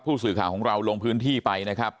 ผู้สื่อข่าวของเราลงพื้นที่ไปนะครับ